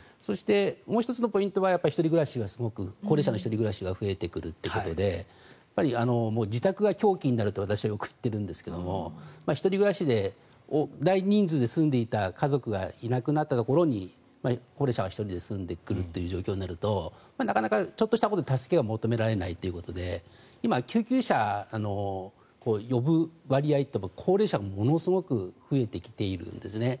もう１つのポイントは高齢者の１人暮らしがすごく増えてくるということでもう自宅が凶器になるとよく私は言っているんですが１人暮らしで大人数で住んでいた家族がいなくなったところに高齢者が１人で住んでくる状況になるとなかなかちょっとしたことで助けが求められないということで今、救急車を呼ぶ割合というのは高齢者がものすごく増えてきているんですね。